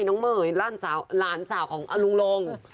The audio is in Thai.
น้องเม๋ยล้านสาวของอลุ้ง